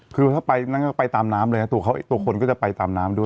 คือถ้านั้นก็ไปตามน้ำเลยตัวคนก็จะไปตามน้ำด้วย